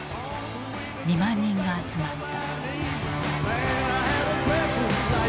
２万人が集まった。